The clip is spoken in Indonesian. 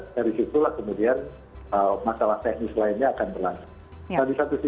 dari situlah kemudian masalah teknis lainnya akan berlangsung